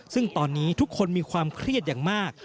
ซึ่งตอนนี้ทุกคนมีความเครียดอย่างมาก